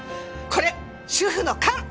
これ主婦のカン！